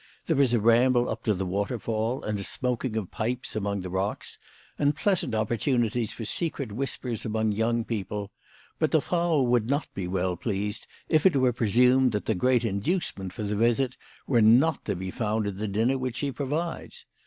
There is a ramble up to the waterfall and a smoking of pipes among the rocks, and pleasant opportunities for secret whispers among young people; but the Frau would not be well pleased if it were presumed that the great inducement for the visit were not to be found in the dinner which she provides.